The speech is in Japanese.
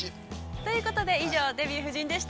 ◆ということで以上「デビュー夫人」でした。